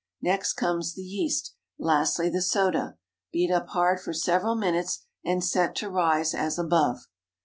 Next comes the yeast, lastly the soda. Beat up hard for several minutes, and set to rise as above.